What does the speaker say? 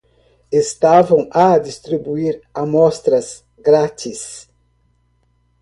Estavam a distribuir amostras grátis.